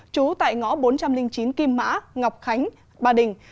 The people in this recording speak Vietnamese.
trú tại ngõ bốn trăm linh chín kim mã ngọc khánh ba đình